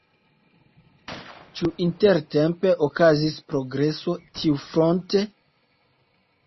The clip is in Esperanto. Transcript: Ĉu intertempe okazis progreso tiufronte?